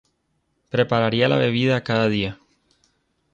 Prepararía la bebida cada día.